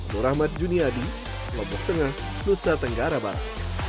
nur rahmat juniadi lombok tengah nusa tenggara barat